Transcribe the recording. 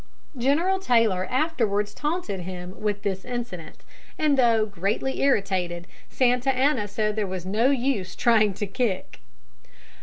General Taylor afterwards taunted him with this incident, and, though greatly irritated, Santa Anna said there was no use trying to kick.